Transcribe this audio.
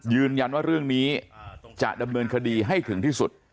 ยืนยันว่าเรื่องนี้จะดำเนินคดีให้ถึงที่สุด